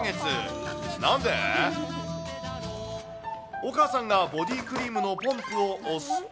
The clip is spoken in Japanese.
お母さんがボディークリームのポンプを押すと。